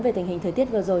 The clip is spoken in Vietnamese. về tình hình thời tiết vừa rồi